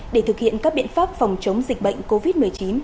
để thực hiện các biện pháp phòng chống dịch bệnh covid một mươi chín